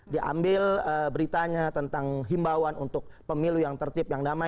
diambil beritanya tentang himbauan untuk pemilu yang tertib yang damai